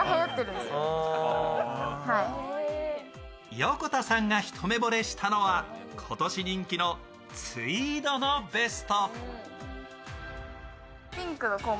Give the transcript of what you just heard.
横田さんが一目ぼれしたのは、今年人気のツイードのベスト。